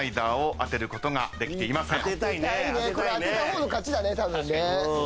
当てた方の勝ちだねたぶんね。